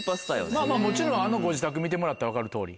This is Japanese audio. もちろんあのご自宅見てもらったら分かるとおり。